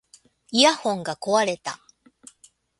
イヤホンが壊れた